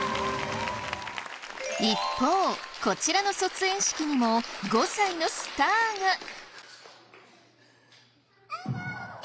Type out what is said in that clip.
一方こちらの卒園式にも５歳のスターが。